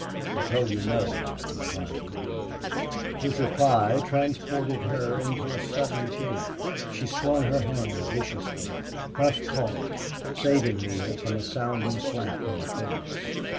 "I told you no," replied Neale. His reply transported her into a sudden fury. She swung her hand viciously. Hough caught it, saving Neale from a sounding slap in the face.